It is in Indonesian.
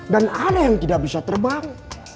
dan ada yang tidak bisa terbang